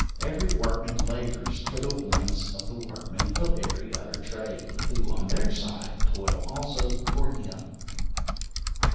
Every workman labours for the wants of the workmen of every other trade, who, on their side, toil also for him.